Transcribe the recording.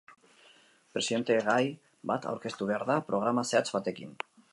Presidentegai bat aurkeztu behar da, programa zehatz batekin.